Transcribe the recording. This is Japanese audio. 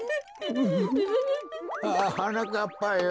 ああはなかっぱよ。